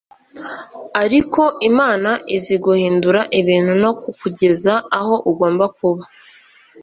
ariko imana izi guhindura ibintu no kukugeza aho ugomba kuba